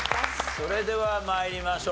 それでは参りましょう。